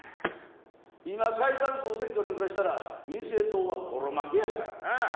今解散総選挙なんかしたら民政党はボロ負けやからなあ。